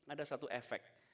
ada satu efek